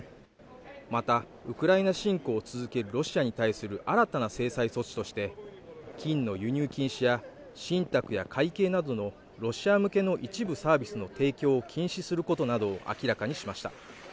またウクライナ侵攻を続けるロシアに対する新たな制裁措置として金の輸入禁止や、信託や会計などのロシア向けの一部サービスの提供を禁止するなどを明らかにしました。